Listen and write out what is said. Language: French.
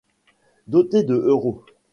Doté de euros.